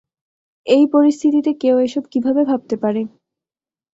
এই পরিস্থিতিতেও কেউ এসব কীভাবে ভাবতে পারে।